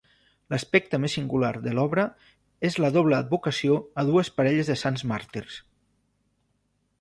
L'aspecte més singular de l'obra és la doble advocació a dues parelles de sants màrtirs.